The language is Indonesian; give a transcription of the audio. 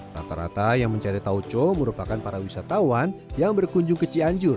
rata rata yang mencari tauco merupakan para wisatawan yang berkunjung ke cianjur